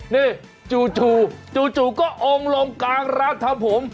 นี่จู่จู่ก็องค์ลงกลางร้านทำผม